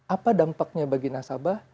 apa dampaknya bagi nasabah